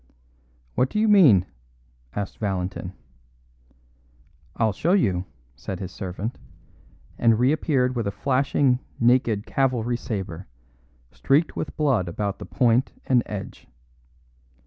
"What do you mean?" asked Valentin. "I'll show you," said his servant, and reappeared with a flashing naked cavalry sabre, streaked with blood about the point and edge.